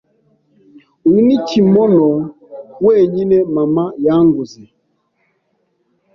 Uyu ni kimono wenyine mama yanguze.